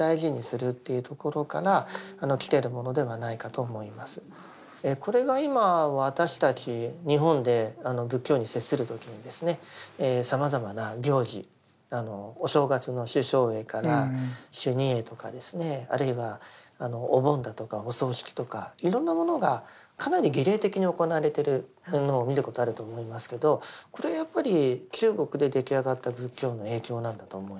実はこれが今私たち日本で仏教に接する時にさまざまな行事お正月の修正会から修二会とかですねあるいはお盆だとかお葬式とかいろんなものがかなり儀礼的に行われてるのを見ることあると思いますけどこれはやっぱり中国で出来上がった仏教の影響なんだと思います。